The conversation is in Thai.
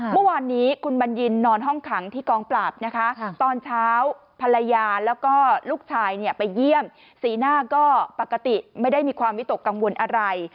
เมื่อวานนี้คุณบัญญินนอนห้องขังที่กองปราบนะคะตอนเช้าภรรยาแล้วก็ลูกชายเนี่ยไปเยี่ยมสีหน้าก็ปกติไม่ได้มีความวิตกกังวลอะไร